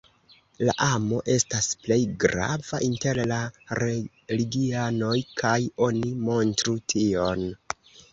La amo estas plej grava inter la religianoj kaj oni montru tion.